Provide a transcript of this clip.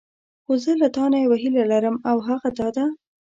خو زه له تانه یوه هیله لرم او هغه دا ده.